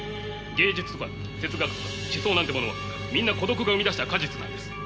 芸術とか哲学とか思想なんてものはみんな孤独が生み出した果実なんです。